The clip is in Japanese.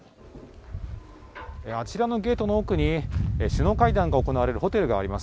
あちらのゲートの奥に首脳会談が行われるホテルがあります。